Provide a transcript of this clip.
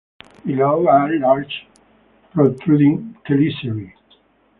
Below are large protruding chelicerae.